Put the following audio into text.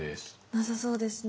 なさそうですね。